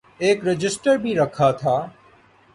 ایک رجسٹر بھی رکھا تھا۔